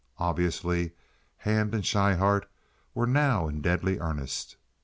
Obviously Hand and Schryhart were now in deadly earnest.